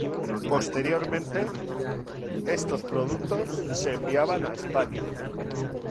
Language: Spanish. Posteriormente, estos productos se enviaban a España.